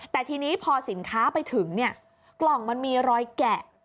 แต่ทีนี้พอสินค้าไปถึงเนี่ยกล่องมันมีรอยแกะ